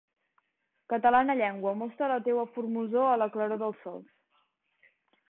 Catalana llengua, mostra la teua formosor a la claror dels sols!